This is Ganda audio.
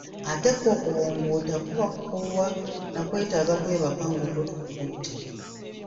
Ate kwo okubongoota kuba kukoowa na kwetaaga kwebaka ng'otulo tukukutte.